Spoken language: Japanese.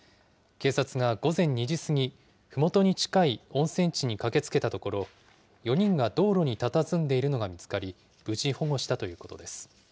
警察が午前２時過ぎ、ふもとに近い温泉地に駆けつけたところ、４人が道路にたたずんでいるのが見つかり、無事、保護したということです。